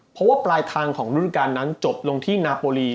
เพราะว่าปลายทางของรุ่นการนั้นจบลงที่นาโปรี